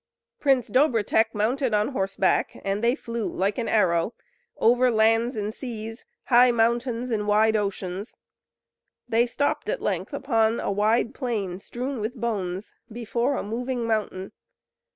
Prince Dobrotek mounted on horseback, and they flew like an arrow, over lands and seas, high mountains and wide oceans. They stopped at length upon a wide plain strewn with bones, before a moving mountain.